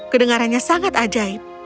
kedengarannya sangat ajaib